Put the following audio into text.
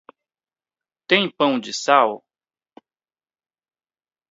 Tem pão de sal?